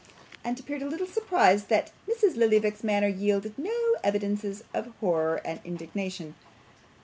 and appeared a little surprised that Mrs. Lillyvick's manner yielded no evidences of horror and indignation.